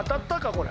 これ。